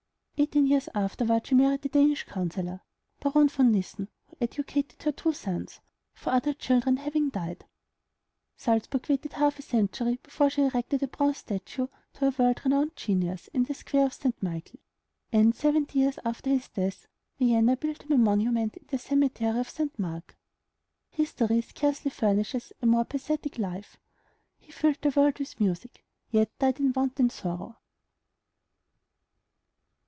Eighteen years afterward she married the Danish councillor, Baron von Missen, who educated her two sons, four other children having died. Salzburg waited a half century before she erected a bronze statue to her world renowned genius, in the Square of St. Michael; and, seventy years after his death, Vienna built him a monument in the Cemetery of St. Mark. History scarcely furnishes a more pathetic life. He filled the world with music, yet died in want and sorrow.